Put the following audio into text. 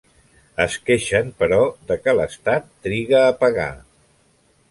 Es queixen, però, de què l'Estat triga a pagar.